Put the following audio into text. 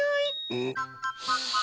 うん。